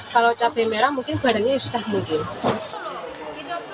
kalau cabai merah mungkin barangnya sudah mungkin